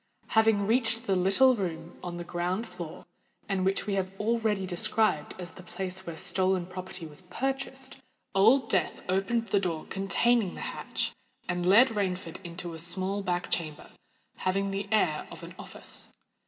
Having reached the little room on the ground floor, and which we have already described as the place where stolen property was purchased, Old Death opened the door containing the hatch, and led Rainford into a small back chamber, having the air of an office.